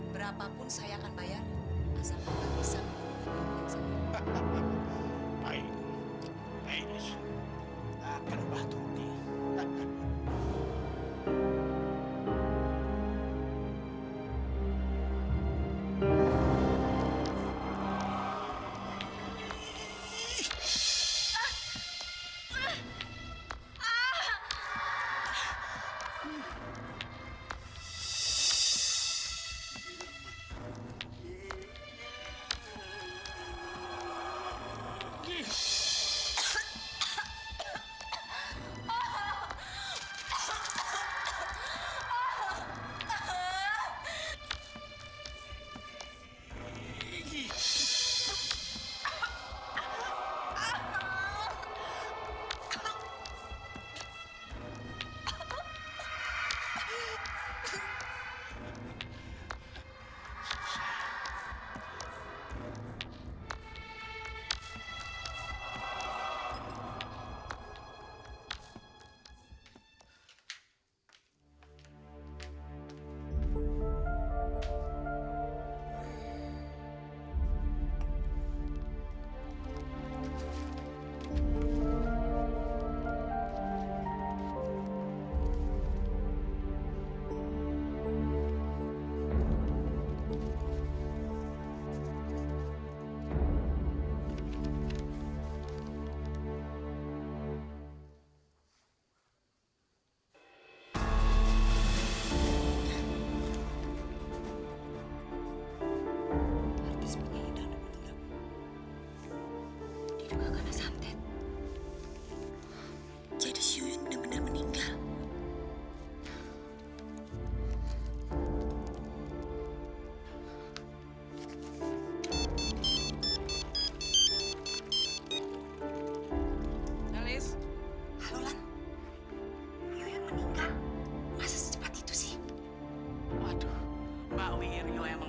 berhenti pakai sayang lagi nih pareng